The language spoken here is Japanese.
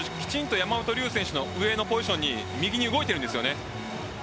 山本龍選手の上のポジション右に動いているんです。